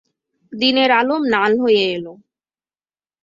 দিনের আলো ম্লান হয়ে এল।